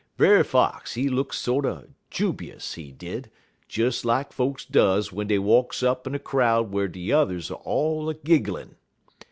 Brer Fox, he look sorter jub'ous, he did, des lak folks does w'en dey walks up in a crowd whar de yuthers all a gigglin'.